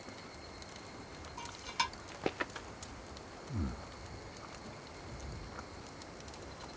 うん。